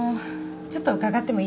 ちょっと伺ってもいいですか？